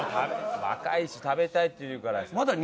若いし食べたいって言うから。